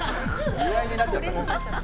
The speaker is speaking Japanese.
岩井になっちゃった。